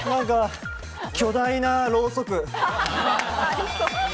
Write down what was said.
巨大なろうそく。